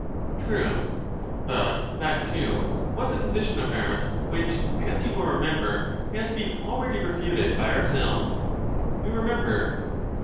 True. But that too was a position of ours which, as you will remember, has been already refuted by ourselves. We remember.